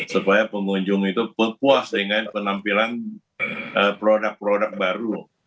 supaya pengunjung itu puas dengan penampilan produk produk baru